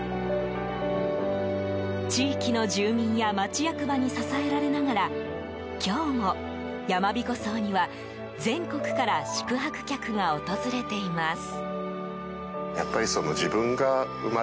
地域の住民や町役場に支えられながら今日も、やまびこ荘には全国から宿泊客が訪れています。